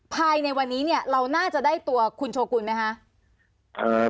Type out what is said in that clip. ภายในวันนี้เนี่ยเราน่าจะได้ตัวคุณโชกุลไหมคะ